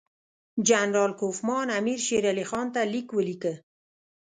جنرال کوفمان امیر شېر علي خان ته لیک ولیکه.